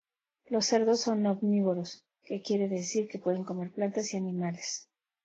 Los cerdos son omnívoros, que quiere decir que pueden comer plantas y animales.